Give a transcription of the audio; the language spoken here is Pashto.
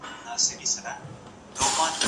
په کربلا کې ټوکيدلى گل يې